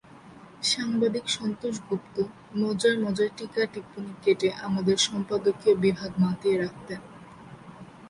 সাংবাদিক সন্তোষ গুপ্ত মজার মজার টীকা-টিপ্পনী কেটে আমাদের সম্পাদকীয় বিভাগ মাতিয়ে রাখতেন।